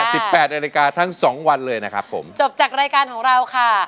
สิบแปดนาฬิกาทั้งสองวันเลยนะครับผมจบจากรายการของเราค่ะ